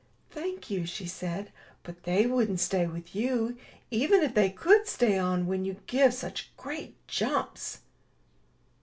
'* '*Thank you," she said, ''but they wouldn't stay with you, even if they could stay on when you give such great jumps."